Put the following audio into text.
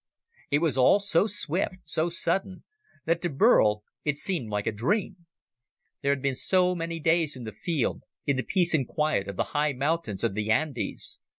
It was all so swift, so sudden, that to Burl it seemed like a dream. There had been so many days in the field, in the peace and quiet of the high mountains of the Andes.